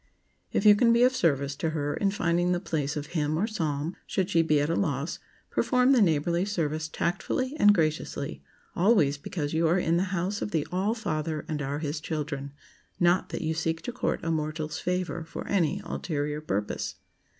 If you can be of service to her in finding the place of hymn or psalm, should she be at a loss, perform the neighborly service tactfully and graciously,—always because you are in the House of the All Father, and are His children,—not that you seek to court a mortal's favor for any ulterior purpose.